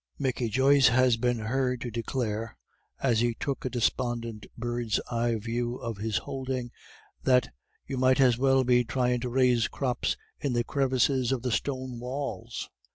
Micky Joyce has been heard to declare, as he took a despondent bird's eye view of his holding, that "you might as well be thryin' to raise crops in the crevices of the stone walls."